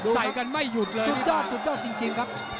ใส่กันไม่หยุดเลยสุดยอดสุดยอดจริงครับ